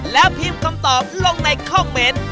แล้วพิมพ์คำตอบลงในคอมเมนต์